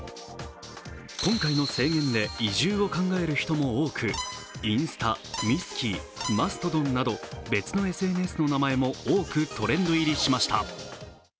今回の制限で移住を考える人も多く、インスタ、ミスキー、マストドンなど別のＳＮＳの名前も多くトレンド入りしました。